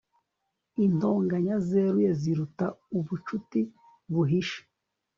intonganya zeruye ziruta ubucuti buhishe